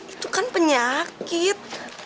itu kan penyakit